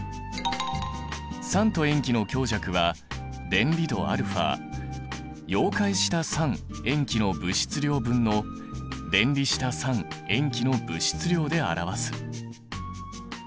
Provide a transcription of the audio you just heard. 酸と塩基の強弱は電離度α溶解した酸塩基の物質量分の電離した酸塩基の物質量で表す。